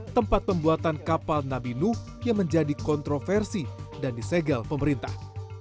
tempat pembuatan kapal nabi nu yang menjadi kontroversi dan disegel pemerintah